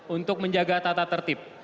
untuk menjaga tata tertib